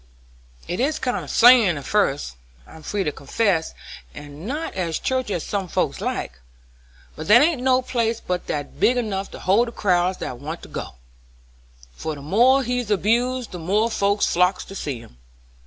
"It is kind of sing'lar at fust, I'm free to confess, and not as churchy as some folks like. But there ain't no place but that big enough to hold the crowds that want to go, for the more he's abused the more folks flock to see him.